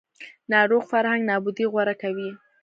ناروغ فرهنګ نابودي غوره کوي